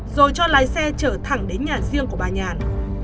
rồi cho lái xe trở thẳng đến nhà riêng của bà nhàn